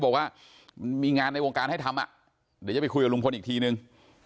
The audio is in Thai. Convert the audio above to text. บอกว่ามันมีงานในวงการให้ทำอ่ะเดี๋ยวจะไปคุยกับลุงพลอีกทีนึง